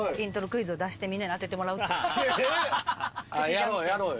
やろうやろうよ。